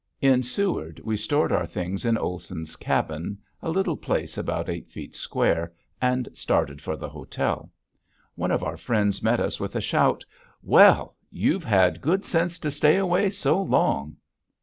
In Seward we stored our things in Olson's cabin, a little place about eight feet square, and started for the hotel. One of our friends met us with a shout, "Well, you've had good sense to stay away so long."